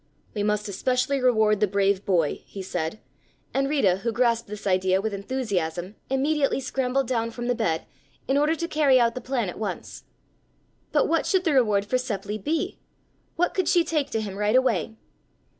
"We must especially reward the brave boy," he said, and Rita, who grasped this idea with enthusiasm immediately scrambled down from the bed, in order to carry out the plan at once. But what should the reward for Seppli be? What could she take to him right away?